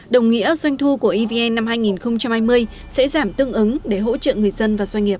đồng nghĩa doanh thu của evn năm hai nghìn hai mươi sẽ giảm tương ứng để hỗ trợ người dân và doanh nghiệp